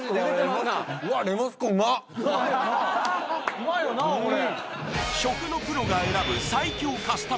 うまいよなこれ。